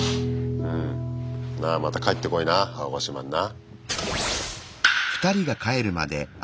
なまた帰ってこいな青ヶ島にな。